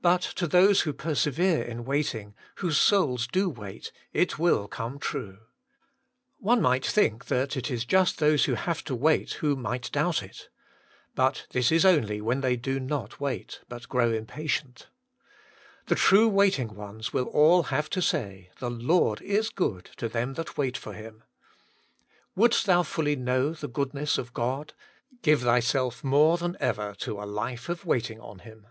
But to those who persevere in waiting, whose souls do wait, it will come true. One might thinV that it is just those who have to wait who might douht it. But this is only when they do not wait, but grow impatient The WAITING ON GODt liS truly waiting ones will all have to say, 'The Lord is good to them that wait for Him.' Wouldst thou fully know the goodness of God, give thy self more than ever to a life of waiting on Him.